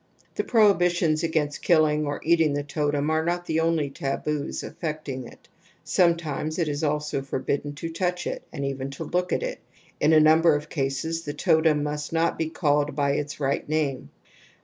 The prohibitions against killing or eating the totem are not the only taboos affecting it ; some times it is also forbidden to touch it and even to look at it ; in a number of cases the totem must not be called by its right name.